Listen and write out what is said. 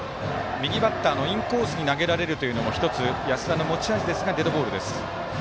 右バッターのインコースに投げられるというのも安田の持ち味ですがデッドボールでした。